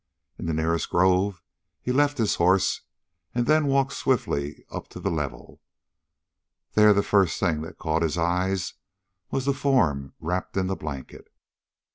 In the nearest grove he left his horse and then walked swiftly up to the level. There the first thing that caught his eyes was the form wrapped in the blanket.